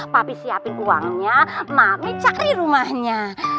papi siapin uangnya mapi cari rumahnya